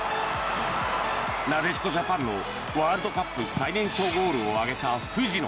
なでしこジャパンのワールドカップ最年少ゴールを挙げた藤野。